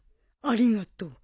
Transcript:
ありがとう。